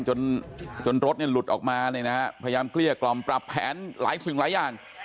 จนจนรถเนี่ยหลุดออกมาเนี่ยนะฮะพยายามเกลี้ยกล่อมปรับแผนหลายสิ่งหลายอย่าง